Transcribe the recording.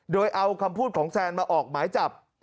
โดยเอาคำพูดของแซนมาออกหมายจับ